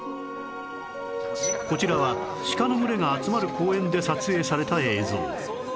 こちらはシカの群れが集まる公園で撮影された映像